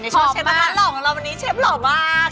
ในช่องเชฟวาถานเหล่าของเราวันนี้เชฟเหล่ามาก